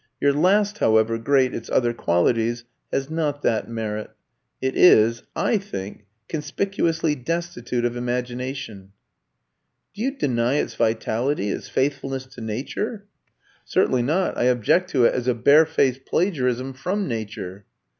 Your last, however great its other qualities, has not that merit. It is, I think, conspicuously destitute of imagination." "Do you deny its vitality its faithfulness to nature?" "Certainly not. I object to it as a barefaced plagiarism from nature."